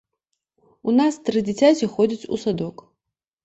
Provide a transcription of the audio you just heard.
У нас тры дзіцяці ходзяць у садок.